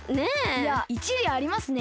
いやいちりありますね。